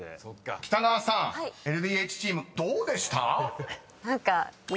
［北川さんＬＤＨチームどうでした？］